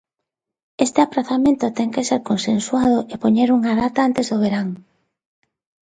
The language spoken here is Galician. Este aprazamento ten que ser consensuado e poñer unha data antes do verán.